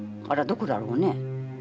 あらどこだろうね？